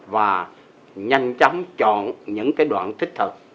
và nhanh chóng chọn những cái đoạn thích thật